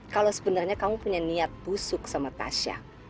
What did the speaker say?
kalau sebenarnya kamu punya niat busuk sama tasha